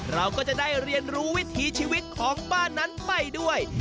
เราก็จะได้เรียนรู้วิถีชีวิตของบ้านนั้นไปด้วย